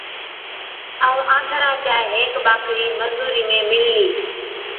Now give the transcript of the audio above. ائُون آنٿڻان چَي هيڪ ٻاڪرِي مزُورِي ۾ مِللِي۔